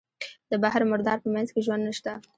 د بحر مردار په منځ کې ژوند نشته.